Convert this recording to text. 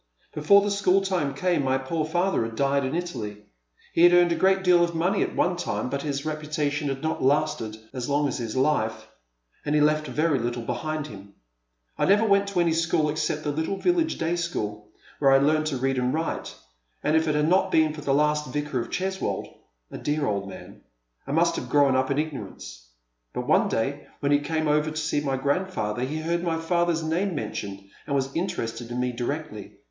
Before the school time came my poor father had died in Italy. He had earned a great deal of money at one time, but his reputation had not lasted as long as his life, and he left very little behind him. I never went to any school except the little village day school, where I learned to read and write ; and if it had not been for the last Vicar of Cheswold — a dear old man^ I must have grown up in ignorance. But one day when he came over to see my grandfather he heard my father's namie men tioned, and was interested in me directly.